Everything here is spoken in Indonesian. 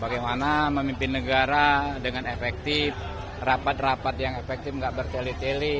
bagaimana memimpin negara dengan efektif rapat rapat yang efektif gak bertele tele